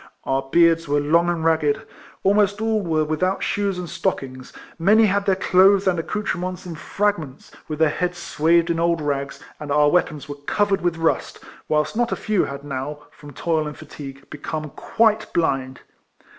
Our beards were long and ragged; almost all were without shoes and stockings; many had their clothes and ac coutrements in fragments, with their heads swathed in old rags, and our weapons were covered with rust; whilst not a few had now, from toil and fatigue, become quite blind.